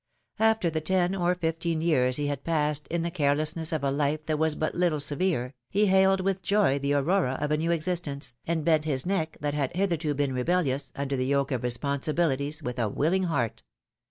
After the ten or fifteen years he had passed in the carelessness of a life that was but little severe, he hailed with joy the aurora of a new existence, and bent his neck, that had hitherto been rebellious, under the yoke of responsibilities with a willing heart.